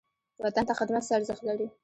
وطن ته خدمت څه ارزښت لري؟